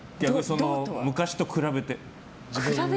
昔と比べて。